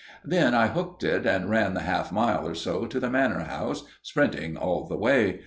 "Then I hooked it and ran the half mile or so to the Manor House, sprinting all the way.